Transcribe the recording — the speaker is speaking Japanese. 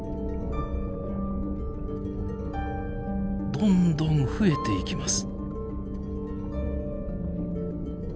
どんどん増えていきます。